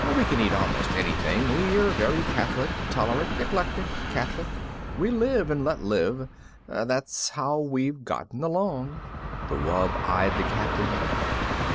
We can eat almost anything. We're very catholic. Tolerant, eclectic, catholic. We live and let live. That's how we've gotten along." The wub eyed the Captain.